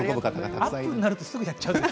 アップになるとすぐにやっちゃうんです。